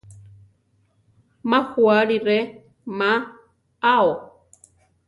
Má juáli re ma ao.